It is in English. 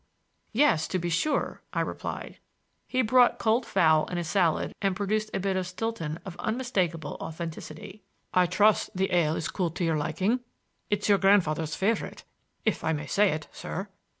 "Yes, to be sure," I replied. He brought cold fowl and a salad, and produced a bit of Stilton of unmistakable authenticity. "I trust the ale is cooled to your liking. It's your grandfather's favorite, if I may say it, sir."